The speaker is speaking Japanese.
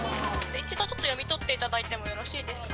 一度ちょっと読み取っていただいてもよろしいですか？